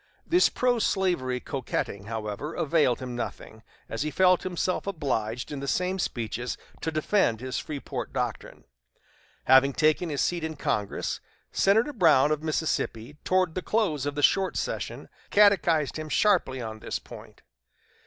This pro slavery coquetting, however, availed him nothing, as he felt himself obliged in the same speeches to defend his Freeport doctrine. Having taken his seat in Congress, Senator Brown of Mississippi, toward the close of the short session, catechized him sharply on this point.